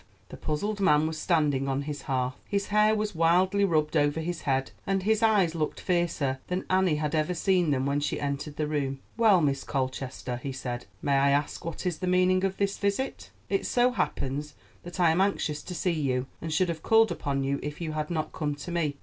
The puzzled man was standing on his hearth. His hair was wildly rubbed over his head, and his eyes looked fiercer than Annie had ever seen them when she entered the room. "Well, Miss Colchester," he said, "may I ask what is the meaning of this visit? It so happens that I am anxious to see you, and should have called upon you if you had not come to me.